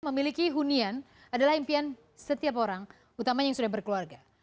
memiliki hunian adalah impian setiap orang utamanya yang sudah berkeluarga